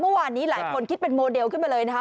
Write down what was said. เมื่อวานนี้หลายคนคิดเป็นโมเดลขึ้นมาเลยนะคะ